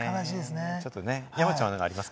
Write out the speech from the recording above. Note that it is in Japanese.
山ちゃんは、ありますか？